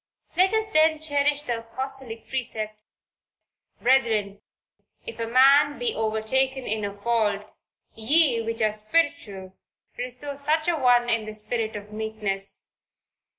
Let us then cherish the apostolic precept, "Brethren if a man be overtaken in a fault, ye which are spiritual restore such an one in the spirit of meekness."